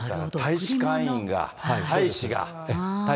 大使館員が、大使が。